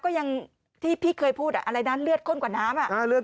ก็ยังที่พี่เคยพูดอ่ะอะไรนั้นเลือดข้นกว่าน้ำอ่าเลือด